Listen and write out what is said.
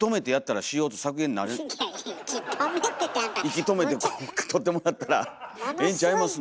息止めてこう撮ってもらったらええんちゃいますの。